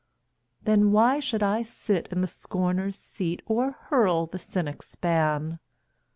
Then why should I sit in the scorner's seat, Or hurl the cynic's ban?